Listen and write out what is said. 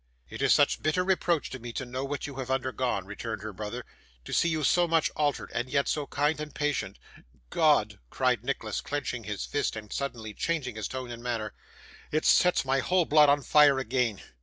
'It is such bitter reproach to me to know what you have undergone,' returned her brother; 'to see you so much altered, and yet so kind and patient God!' cried Nicholas, clenching his fist and suddenly changing his tone and manner, 'it sets my whole blood on fire again.